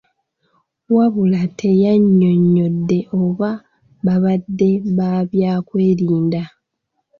Wabula teyannyonnyodde oba baabadde ba byakwerinda.